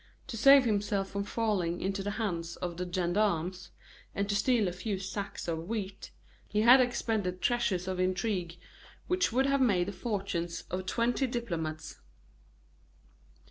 To save himself from falling into the hands of the gendarmes, and to steal a few sacks of wheat, he had expended treasures of intrigue which would have made the fortunes of twenty diplomats.